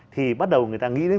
thì bắt đầu người ta nghĩ đến